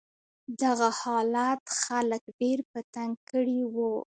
دغه حالت خلک ډېر په تنګ کړي و.